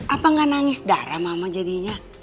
apa nggak nangis darah mama jadinya